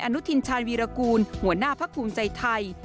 อนุทินชาญวีรกูลหัวหน้าพักภูมิใจไทย